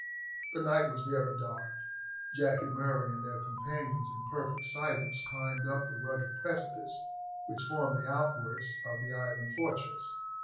The night was very dark: Jack and Murray and their companions, in perfect silence, climbed up the rugged precipice which formed the outworks of the island fortress.